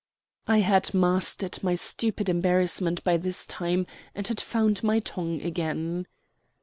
I had mastered my stupid embarrassment by this time and had found my tongue again.